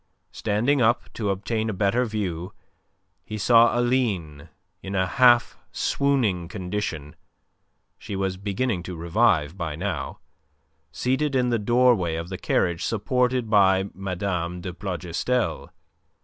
Standing up to obtain a better view, he saw Aline in a half swooning condition she was beginning to revive by now seated in the doorway of the carriage, supported by Mme. de Plougastel.